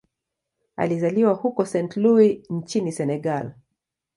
Alizaliwa huko Saint-Louis nchini Senegal.